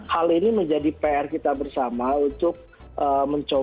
dan berkoordinasi dengan kementerian kesehatan seventy million people in a country